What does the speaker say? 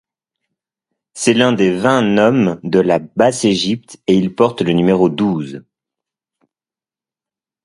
C'est l'un des vingt nomes de la Basse-Égypte et il porte le numéro douze.